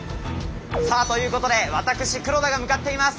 さあということで私黒田が向かっています